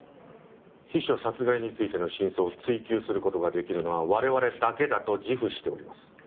秘書殺害についての真相を追及する事ができるのは我々だけだと自負しております。